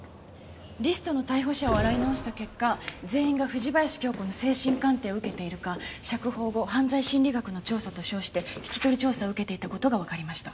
リストの逮捕者を洗い直した結果全員が藤林経子の精神鑑定を受けているか釈放後犯罪心理学の調査と称して聞き取り調査を受けていた事がわかりました。